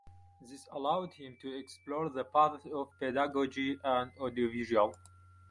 This allowed him to explore the paths of pedagogy and audiovisual.